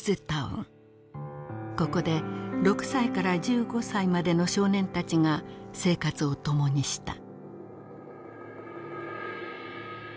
ここで６歳から１５歳までの少年たちが生活を共にした。